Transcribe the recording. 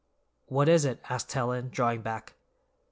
"What is it?" asked Helen, drawing back.